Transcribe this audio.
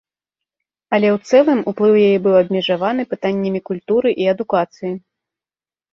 Але ў цэлым уплыў яе быў абмежаваны пытаннямі культуры і адукацыі.